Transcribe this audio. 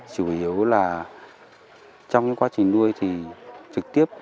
chủ yếu là trong quá trình nuôi thì trực tiếp